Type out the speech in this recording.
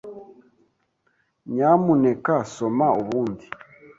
Nyamuneka soma ubundi.